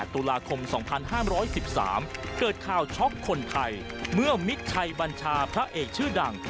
ตุลาคม๒๕๑๓เกิดข่าวช็อกคนไทยเมื่อมิตรชัยบัญชาพระเอกชื่อดัง